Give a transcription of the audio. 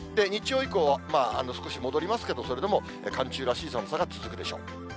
日曜以降、少し戻りますけど、それでも寒中らしい寒さが続くでしょう。